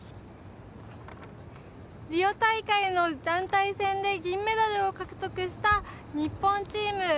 リオ大会の団体戦で銀メダルを獲得した日本チーム。